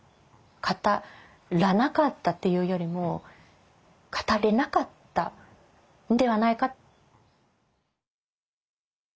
語らなかったっていうよりも語れなかったんではないか。